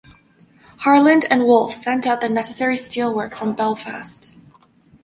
Harland and Wolff sent out the necessary steel work from Belfast.